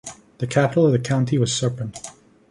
The capital of the county was Sopron.